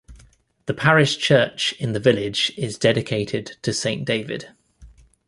The parish church in the village is dedicated to Saint David.